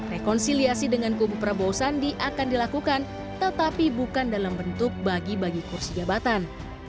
rekonsiliasi dengan kubu prabowo sandi akan dilakukan tetapi bukan dalam bentuk bagi bagi kursi jabatan